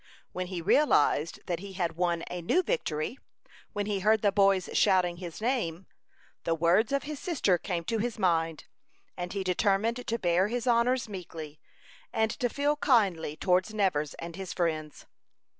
When he realized that he had won a new victory, when he heard the boys shouting his name, the words of his sister came to his mind, and he determined to bear his honors meekly, and to feel kindly towards Nevers and his friends.